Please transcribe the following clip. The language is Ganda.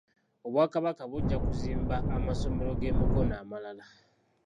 Obwakabaka bujja kuzimba amasomero g'emikono amalala.